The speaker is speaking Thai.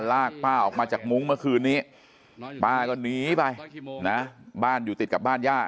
ลากป้าออกมาจากมุ้งเมื่อคืนนี้ป้าก็หนีไปนะบ้านอยู่ติดกับบ้านย่า